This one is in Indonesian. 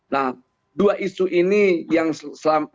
nah dua isu ini yang selama ini